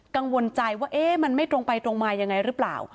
กังวลใจว่ามันไม่ตรงไปตรงมายังไงหรือเปล่า